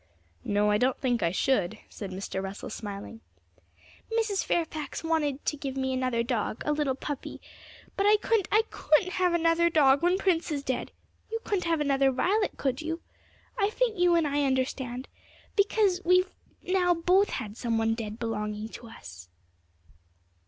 'No, I don't think I should,' said Mr. Russell, smiling. 'Mrs. Fairfax wanted to give me another dog, a little puppy; but I couldn't, I couldn't have another dog when Prince is dead! You couldn't have another Violet, could you? I think you and I understand, because we've now both had some one dead belonging to us.'